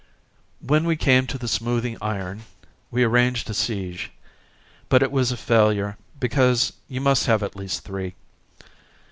When we came to the Smoothing Iron we arranged a siege; but it was a failure because you must have at least three.